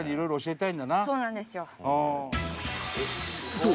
そう！